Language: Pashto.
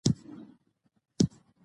د پرېکړو پټوالی بې باوري زیاتوي